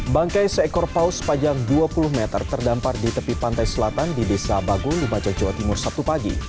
bangkai seekor paus panjang dua puluh meter terdampar di tepi pantai selatan di desa bagu lumajang jawa timur sabtu pagi